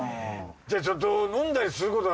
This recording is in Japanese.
じゃちょっと飲んだりすることは。